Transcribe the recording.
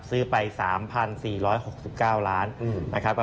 ซื้อไป๓๔๖๙ล้านนะครับ